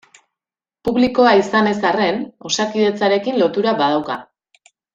Publikoa izan ez arren, Osakidetzarekin lotura badauka.